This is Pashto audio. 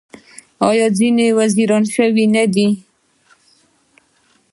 آیا ځینې یې وزیران شوي نه دي؟